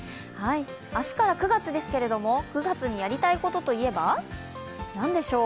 明日から９月ですけど９月にやりたいことといえば何でしょう？